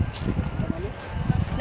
seperti yang ada di sini